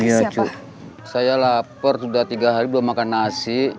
iya saya lapar sudah tiga hari belum makan nasi